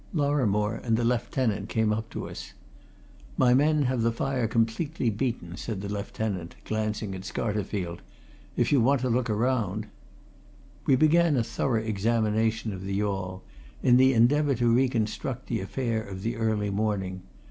Lorrimore and the lieutenant came up to us. "My men have the fire completely beaten," said the lieutenant glancing at Scarterfield. "If you want to look round " We began a thorough examination of the yawl, in the endeavour to reconstruct the affair of the early morning.